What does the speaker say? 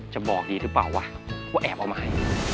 จะบอกดีหรือเปล่าวะว่าแอบเอามาให้